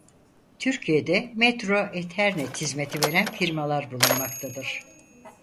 Türkiye'de Metro Ethernet hizmeti veren firmalar bulunmaktadır.